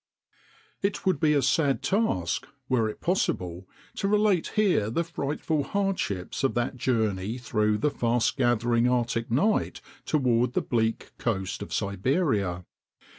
It would be a sad task, were it possible, to relate here the frightful hardships of that journey through the fast gathering Arctic night toward the bleak coast of Siberia.